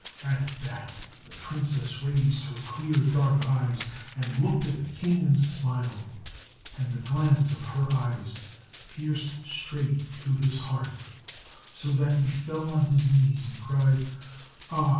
At that the princess raised her clear dark eyes, and looked at the king and smiled; and the glance of her eyes pierced straight to his heart, so that he fell on his knees and cried: "Ah!